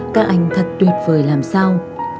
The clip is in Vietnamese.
các anh thật tuyệt vời làm sao